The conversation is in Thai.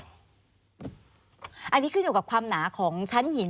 อันนี้ขึ้นอยู่กับความหนาของชั้นหิน